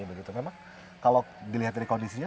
begitu memang kalau dilihat dari kondisinya